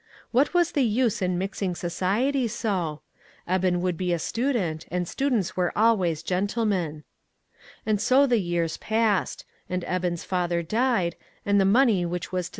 What was the use in mixing society so? Eben would be a stu dent, and students were always gentlemen. And so the years passed; and Eben's father died, and the money which was to A VICTIM OF CIRCUMSTANCE.